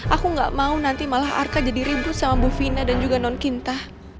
aku gak mau nanti malah arka jadi ribut sama bu vina dan juga non kinta